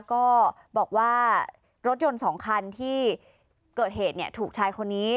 ก็บอกว่ารถยนต์๒คันที่เกิดเหตุถูกชายคนนี้